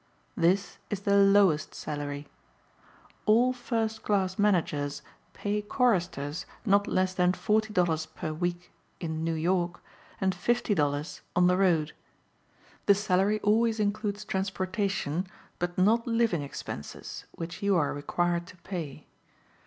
This is the lowest salary. All first class managers pay choristers not less than $40.00 per week in New York and $50.00 on the road. The salary always includes transportation, but not living expenses, which you are required to pay.